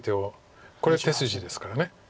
これ手筋ですから。